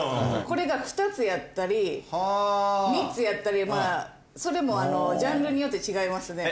これが２つやったり３つやったりそれもジャンルによって違いますね。